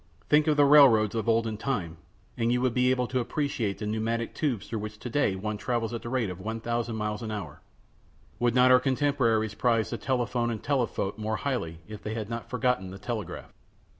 Think of the railroads of the olden time, and you will be able to appreciate the pneumatic tubes through which to day one travels at the rate of 1000 miles an hour. Would not our contemporaries prize the telephone and the telephote more highly if they had not forgotten the telegraph?